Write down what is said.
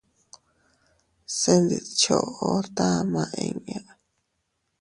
Se ntidchoʼo tama inña.